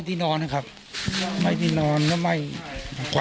ส่วนนางสุธินนะครับบอกว่าไม่เคยคาดคิดมาก่อนว่าบ้านเนี่ยจะมาถูกภารกิจนะครับ